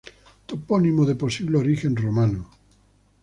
Topónimo de posible origen romano.